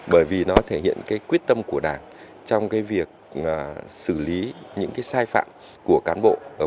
bởi vì nó thể hiện cái quyết tâm của đảng trong cái việc xử lý những cái sai phạm của cán bộ